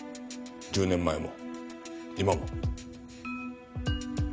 １０年前も今も。